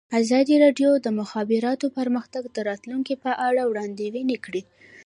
ازادي راډیو د د مخابراتو پرمختګ د راتلونکې په اړه وړاندوینې کړې.